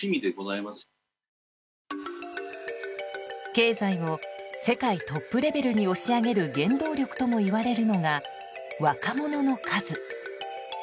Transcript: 経済を世界トップレベルに押し上げる原動力ともいわれるのが若者の数。